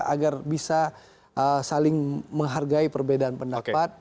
agar bisa saling menghargai perbedaan pendapat